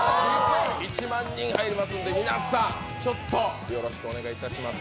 １万人入りますんで皆さん、よろしくお願いいたします